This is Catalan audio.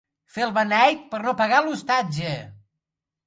Fer el beneit per no pagar l'hostalatge.